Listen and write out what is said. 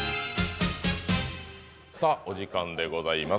お時間でございます。